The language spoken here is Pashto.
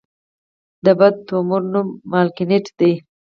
د بد تومور نوم مالېګننټ دی.